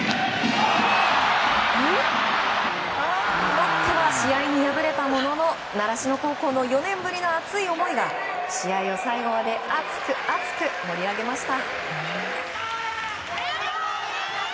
ロッテは試合に敗れたものの習志野高校の４年ぶりの熱い思いが試合を最後まで熱く熱く盛り上げました。